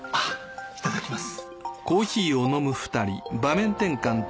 いただきます。